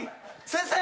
先生！